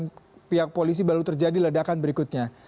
dan pihak polisi baru terjadi ledakan berikutnya